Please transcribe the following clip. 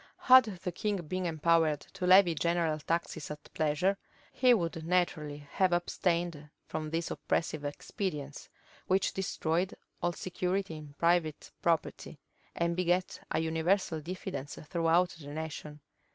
Had the king been empowered to levy general taxes at pleasure, he would naturally have abstained from these oppressive expedients, which destroyed all security in private property, and begat a universal diffidence throughout the nation.